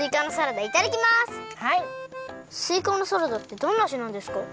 すいかのサラダってどんなあじなんですか？